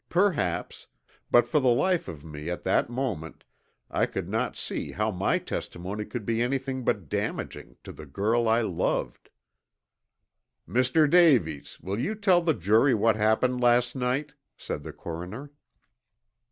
Perhaps, but for the life of me at that moment I could not see how my testimony could be anything but damaging to the girl I loved. "Mr. Davies, will you tell the jury what happened last night," said the coroner.